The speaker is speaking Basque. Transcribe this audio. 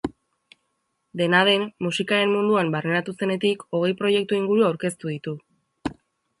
Dena den, musikaren munduan barneratu zenetik hogei proiektu inguru aurkeztu ditu.